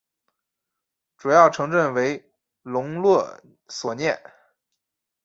主要城镇为隆勒索涅。